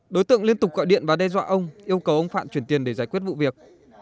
đối tượng liên tục gọi điện và đe dọa ông yêu cầu ông phạn chuyển tiền để giải quyết vụ việc